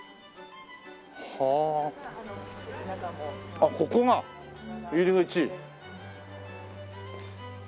あっここが入り口？